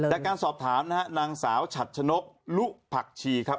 จากการสอบถามนะฮะนางสาวฉัดชนกลุผักชีครับ